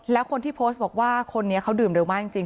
แล้วคนที่โพสต์บอกว่าคนนี้เขาดื่มเร็วมากจริง